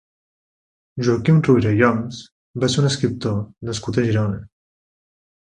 Joaquim Ruyra i Oms va ser un escriptor nascut a Girona.